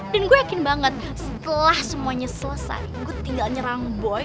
dan gua yakin banget setelah semuanya selesai gua tinggal nyerang boy